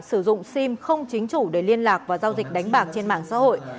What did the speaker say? sử dụng sim không chính chủ để liên lạc và giao dịch đánh bạc trên mạng xã hội